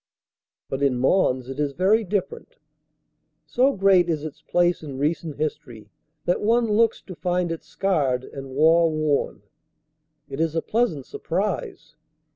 But in Mons it is very different. So great is its place in recent history that one looks to find it scarred and warworn. It is a pleasant surprise.